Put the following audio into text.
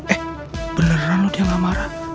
eh beneran loh dia gak marah